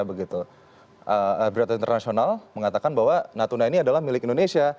berita internasional mengatakan bahwa natuna ini adalah milik indonesia